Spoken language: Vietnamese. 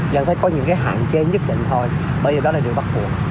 vẫn phải có những cái hạn chế nhất định thôi bởi vì đó là điều bắt buộc